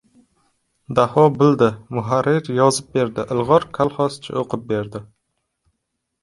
Daho bildi: muharrir yozib berdi, ilg‘or kolxozchi o‘qib berdi.